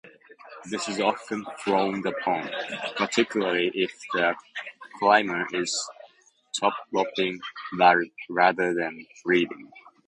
This is often frowned upon, particularly if the climber is toproping rather than leading.